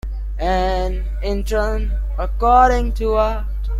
And, in turn, according to art.